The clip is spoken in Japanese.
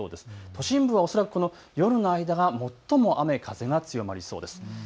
都心部は恐らく夜の間が最も雨、風が強まりそうです。